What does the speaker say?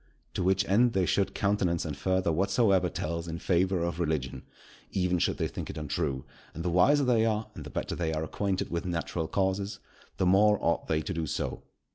To which end they should countenance and further whatsoever tells in favour of religion, even should they think it untrue; and the wiser they are, and the better they are acquainted with natural causes, the more ought they to do so.